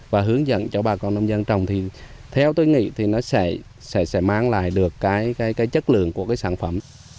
và hướng dẫn cho bà con nông dân trồng thì theo tôi nghĩ thì nó sẽ mang lại được cái chất lượng của cái sản phẩm